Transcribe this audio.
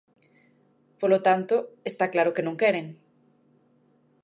Polo tanto, está claro que non queren.